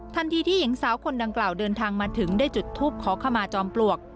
ที่หญิงสาวคนดังกล่าวเดินทางมาถึงได้จุดทูปขอขมาจอมปลวก